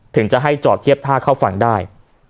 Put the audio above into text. ถึงจะให้จอดเทียบท่าเข้าฝั่งได้